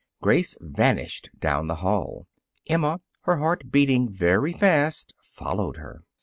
Grace vanished down the hall. Emma, her heart beating very fast, followed her.